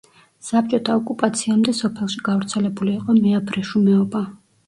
საბჭოთა ოკუპაციამდე სოფელში გავრცელებული იყო მეაბრეშუმეობა.